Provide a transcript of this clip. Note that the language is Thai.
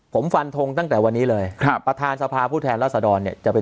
ผมฟันทงตั้งแต่วันนี้เลยประทานสภาพผู้แทนรัศดรรย์จะไป